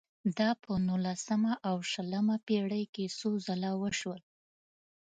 دا په نولسمه او شلمه پېړۍ کې څو ځله وشول.